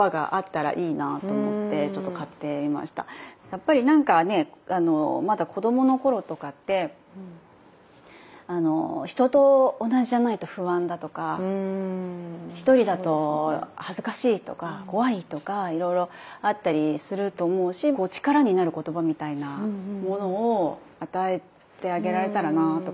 やっぱりなんかねまだ子どもの頃とかって人と同じじゃないと不安だとか１人だと恥ずかしいとか怖いとかいろいろあったりすると思うし力になる言葉みたいなものを与えてあげられたらなとかって思って。